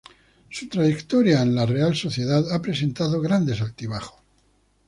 Su trayectoria en la Real Sociedad ha presentado grandes altibajos.